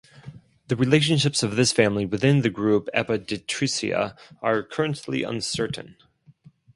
The relationships of this family within the group Apoditrysia are currently uncertain.